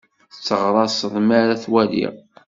Tteɣraṣeɣ mi ara t-waliɣ.